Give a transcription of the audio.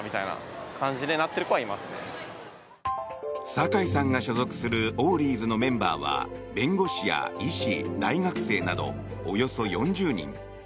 酒井さんが所属するオウリーズのメンバーは弁護士や医師、大学生などおよそ４０人。